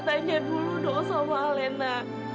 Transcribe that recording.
tanya dulu dong sama alena